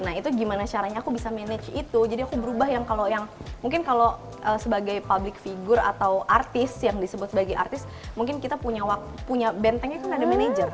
nah itu gimana caranya aku bisa manage itu jadi aku berubah yang kalau yang mungkin kalau sebagai public figure atau artis yang disebut sebagai artis mungkin kita punya bentengnya kan ada manajer